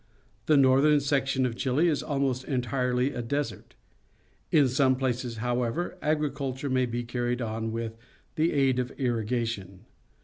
The northern section of Chile is almost entirely a desert. In some places, however, agriculture may be carried on with the aid of irrigation.